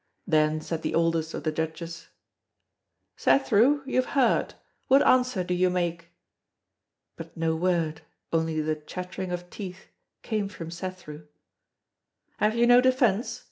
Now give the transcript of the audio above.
Then said the oldest of the Judges: "Cethru, you have heard; what answer do you make?" But no word, only the chattering of teeth, came from Cethru. "Have you no defence?"